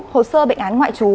hồ sơ bệnh án ngoại chú